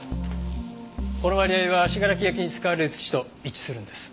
この割合は信楽焼に使われる土と一致するんです。